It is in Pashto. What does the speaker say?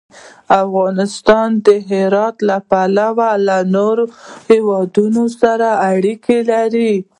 افغانستان د هرات له پلوه له نورو هېوادونو سره اړیکې لري.